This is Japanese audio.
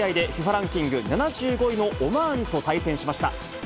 ランキング７５位のオマーンと対戦しました。